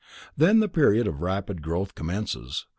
Then the period of rapid growth commences.